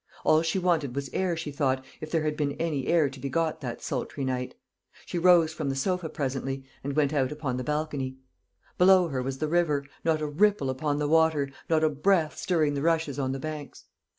All she wanted was air, she thought, if there had been any air to be got that sultry night. She rose from the sofa presently, and went out upon the balcony. Below her was the river; not a ripple upon the water, not a breath stirring the rushes on the banks.